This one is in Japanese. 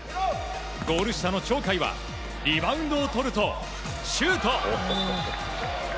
ゴール下の鳥海はリバウンドをとるとシュート。